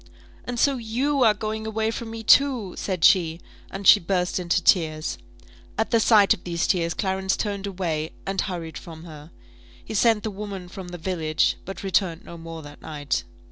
"And so you are going away from me, too?" said she; and she burst into tears. At the sight of these tears Clarence turned away, and hurried from her. He sent the woman from the village, but returned no more that night.